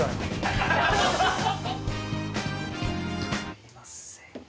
すみません。